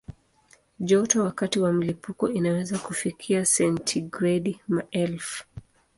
Joto wakati wa mlipuko inaweza kufikia sentigredi maelfu.